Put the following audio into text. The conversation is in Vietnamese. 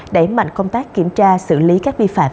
đẩy mạnh công tác kiểm tra xử lý các vi phạm